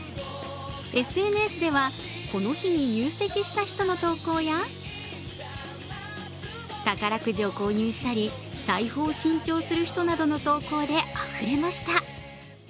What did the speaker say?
ＳＮＳではこの日に入籍した人の投稿や、宝くじを購入したり、財布を新調する人などの投稿であふれました。